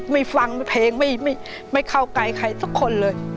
ไม่ฟังเพลงไม่เข้าไกลใครสักคนเลย